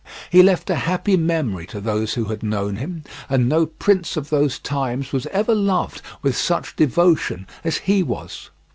He left a happy memory to those who had known him, and no prince of those times was ever loved with such devotion as he was.